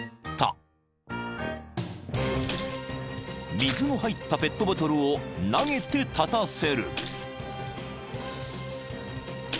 ［水の入ったペットボトルを投げて立たせる］